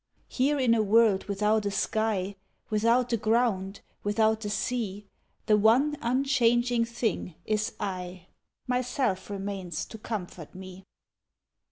Here in a world without a sky, Without the ground, without the sea, The one unchanging thing is I, Myself remains to comfort me.